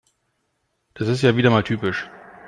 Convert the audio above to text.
Das ist ja wieder mal typisch.